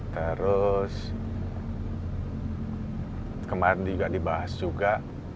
terus kemarin juga dibahas juga